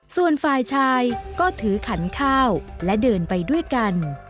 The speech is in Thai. ส่วนฝ่ายชายก็ถือขันข้าวและเดินไปด้วยกัน